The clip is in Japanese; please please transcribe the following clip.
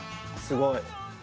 すごい。